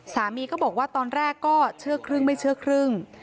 สามีก็บอกว่าตอนแรกก็เชื่อครึ่งไม่เชื่อครึ่ง